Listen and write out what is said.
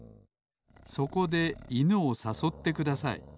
そこでいぬをさそってください